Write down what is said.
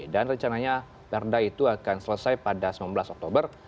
dan rencananya perda itu akan selesai pada sembilan belas oktober